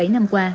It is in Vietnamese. bảy năm qua